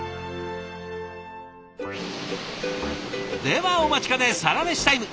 ではお待ちかねサラメシタイム。